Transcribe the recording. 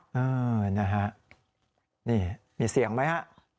เออนะฮะนี่มีเสียงไหมฮะ